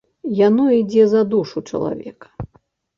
Яно ідзе за душу чалавека.